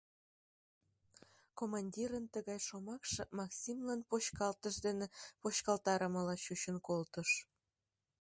Командирын тыгай шомакше Максимлан почкалтыш дене почкалтарымыла чучын колтыш.